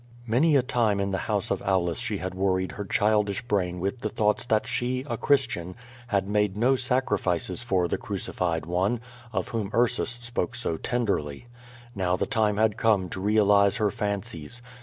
Many a time in the house of Aulus she had worried her childish brain with thoughts that she, a Christian, had made no sacrifices for the Crucified One, of whom Ursus spoke so tenderly. Now the time had come to realize her fancies.